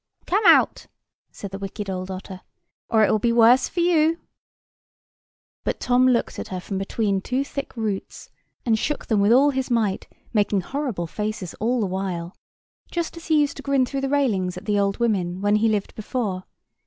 "Come out," said the wicked old otter, "or it will be worse for you." But Tom looked at her from between two thick roots, and shook them with all his might, making horrible faces all the while, just as he used to grin through the railings at the old women, when he lived before.